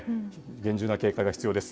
厳重な警戒が必要です。